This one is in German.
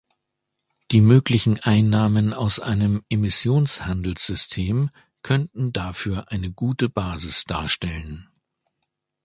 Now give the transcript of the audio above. Die möglichen Einnahmen aus einem Emissionshandelssystem könnten dafür eine gute Basis darstellen.